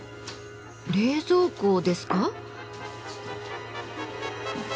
冷蔵庫ですか？